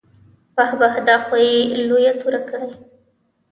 بح بح دا خو يې لويه توره کړې.